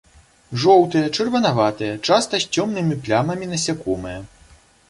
Жоўтыя, чырванаватыя, часта з цёмнымі плямамі насякомыя.